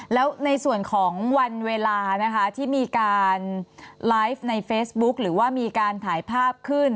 แล้วในส่วนของวันเวลานะคะที่มีการไลฟ์ในเฟซบุ๊คหรือว่ามีการถ่ายภาพขึ้น